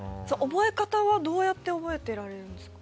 覚え方はどうやって覚えてられるんですか？